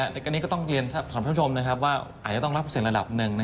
แต่ก็ต้องเรียนสำคัญชมนะครับว่าอาจจะต้องรับเปอร์เซ็นต์ระดับหนึ่ง